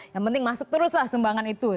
yang penting masuk teruslah sumbangan itu